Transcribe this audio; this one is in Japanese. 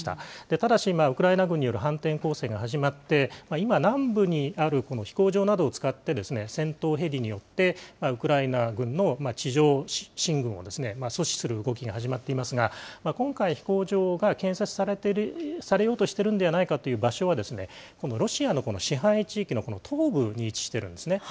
ただし、ウクライナ軍による反転攻勢が始まって、今、南部にある飛行場などを使って、戦闘ヘリによって、ウクライナ軍の地上進軍を阻止する動きが始まっていますが、今回、飛行場が建設されようとしているんじゃないかという場所は、このロシアの支配地域の東部に位置しているんですね。